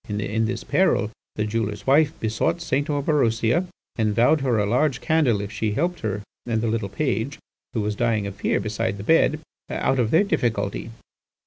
In this peril, the jeweller's wife besought St. Orberosia, and vowed her a large candle if she helped her and the little page, who was dying of fear beside the bed, out of their difficulty.